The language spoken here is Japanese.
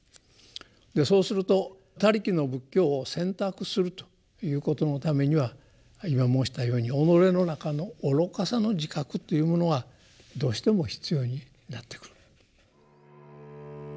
そうすると「他力」の仏教を選択するということのためには今申したように己の中の愚かさの自覚というものがどうしても必要になってくる。